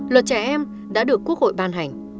luật trẻ em đã được quốc hội ban hành